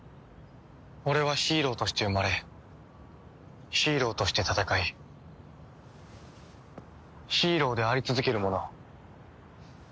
俺はヒーローとして生まれヒーローとして戦いヒーローであり続ける者。